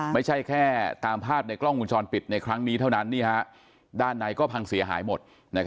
ไม่ใช่แค่ตามภาพในกล้องวงจรปิดในครั้งนี้เท่านั้นด้านในก็พังเสียหายหมด